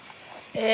え。